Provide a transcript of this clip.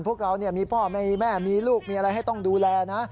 พวกเรามีพ่อมีแม่มีลูกมีอะไรให้ต้องดูแลนะ